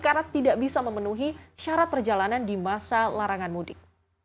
karena tidak bisa memenuhi syarat perjalanan di masa larangan mudik